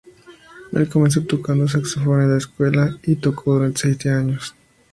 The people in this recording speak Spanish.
Él comenzó tocando saxofón en la escuela y tocó durante siete años.